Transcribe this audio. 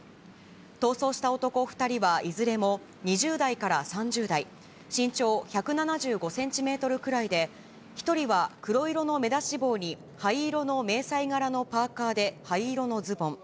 逃走した男２人は、いずれも２０代から３０代、身長１７５センチメートルくらいで、１人は黒色の目出し帽に灰色の迷彩柄のパーカーで灰色のズボン。